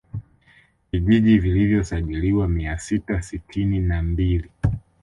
Vijiji vilivyosajiliwa mia sita sitini na mbili